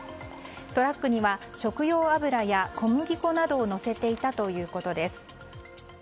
トラックには食用油や小麦粉などを載せていたということです。